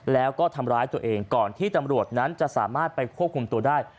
แล้วก็ทำร้ายตัวเองก่อนที่ตำรวจนั้นจะสามารถไปควบคุมตัวได้